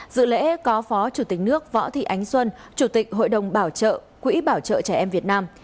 dự lễ có phó chủ tịch nước võ thị ánh xuân chủ tịch hội đồng bảo trợ quỹ bảo trợ trẻ em việt nam